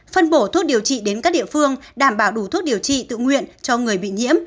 phân bổ thuốc điều trị đến các địa phương đảm bảo đủ thuốc điều trị tự nguyện cho người bị nhiễm